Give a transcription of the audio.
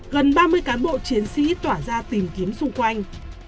gần ba mươi cán bộ chiến sĩ tỏa ra tìm kiếm xung quanh